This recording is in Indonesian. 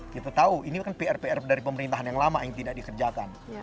kita tahu ini kan pr pr dari pemerintahan yang lama yang tidak dikerjakan